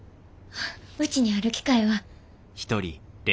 うちにある機械は。